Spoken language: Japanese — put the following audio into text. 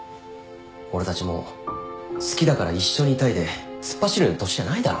俺たちもう「好きだから一緒にいたい」で突っ走るような年じゃないだろ。